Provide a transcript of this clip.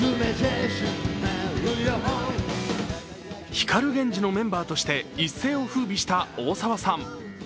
光ＧＥＮＪＩのメンバーとして一世をふうびした大沢さん。